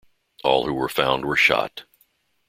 All who were found were shot.